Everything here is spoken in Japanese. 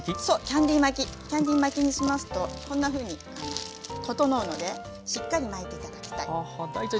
そうキャンディー巻きにしますとこんなふうに整うのでしっかり巻いて頂きたい。